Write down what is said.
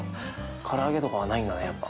から揚げとかはないんだねやっぱ。